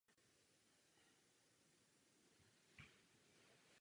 Díky svým organizačním schopnostem byl povýšen na inženýra první třídy.